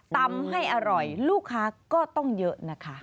ตำให้อร่อยลูกค้าก็ต้องเยอะนะคะ